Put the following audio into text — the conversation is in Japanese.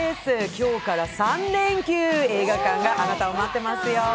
今日から３連休、映画館があなたを待っていますよ。